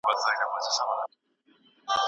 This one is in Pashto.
که ناروغان لارښود نه تعقیبوي، وضعیت یې خرابېږي.